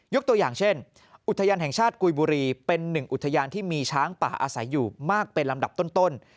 ตัวอย่างเช่นอุทยานแห่งชาติกุยบุรีเป็นหนึ่งอุทยานที่มีช้างป่าอาศัยอยู่มากเป็นลำดับต้น